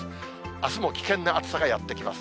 あすも危険な暑さがやって来ます。